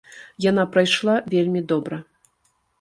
Яна прайшла вельмі добра.